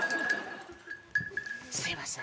・すいません。